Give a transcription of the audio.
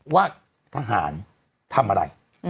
ว่าทหารทำอะไร